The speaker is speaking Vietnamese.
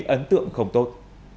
ấn tượng không tốt